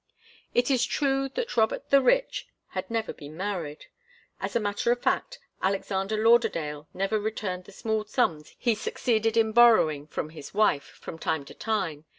It is true that Robert the Rich had never been married. As a matter of fact, Alexander Lauderdale never returned the small sums he succeeded in borrowing from his wife from time to time.